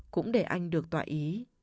cũng để anh được tọa ý